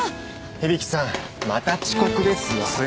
響木さんまた遅刻ですよ。